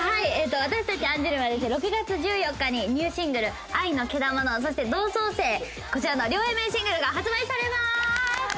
私たちアンジュルムはですね６月１４日にニューシングル『アイノケダモノ』そして『同窓生』こちらの両Ａ面シングルが発売されます！